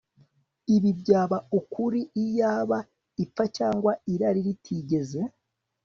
Ibi byaba ukuri iyaba ipfa cyangwa irari ritigeze